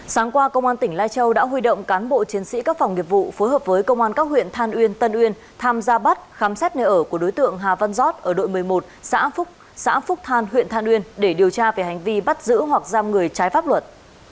sáng qua công an tỉnh lai châu đã huy động cán bộ chiến sĩ các phòng nghiệp vụ phối hợp với công an các huyện than uyên tân uyên tham gia bắt khám xét nơi ở của đối tượng hà văn giót ở đội một mươi một xã phúc than huyện than uyên để điều tra về hành vi bắt giữ hoặc giam người trái pháp luật